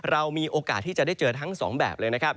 เรามีโอกาสที่จะได้เจอทั้งสองแบบเลยนะครับ